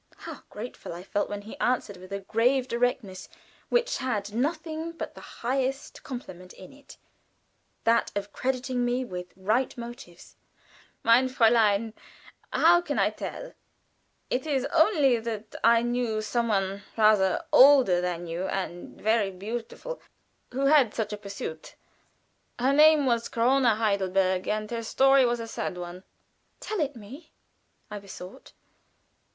How grateful I felt when he answered, with a grave directness, which had nothing but the highest compliment in it that of crediting me with right motives: "Mein Fräulein, how can I tell? It is only that I knew some one, rather older than you, and very beautiful, who had such a pursuit. Her name was Corona Heidelberger, and her story was a sad one." "Tell it me," I besought.